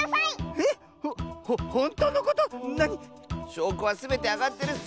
しょうこはすべてあがってるッス！